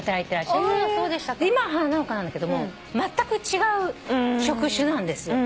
今は花農家なんだけどもまったく違う職種なんですよ。